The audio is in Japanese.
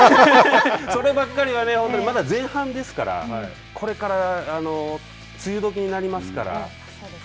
そればっかりはまだ前半ですから、これから梅雨どきになりますから。